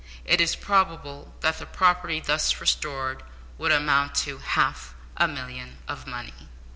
It is probable that the property thus restored would amount to half a million of money.